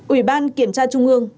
ủy ban kiểm tra trung ương